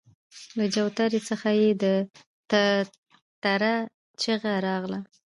له چوترې څخه يې د تره چيغه راغله!